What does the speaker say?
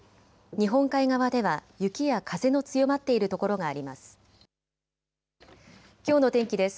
日本海側では雪や風の強まっているところがあります。